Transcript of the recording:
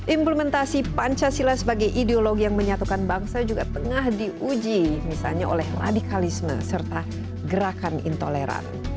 implementasi pancasila sebagai ideologi yang menyatukan bangsa juga tengah diuji misalnya oleh radikalisme serta gerakan intoleran